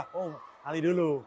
oh kali dulu